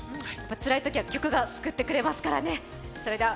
つらいときは曲が救ってくれますからね。